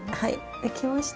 できました。